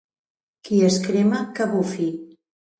Qui es crema, que bufi.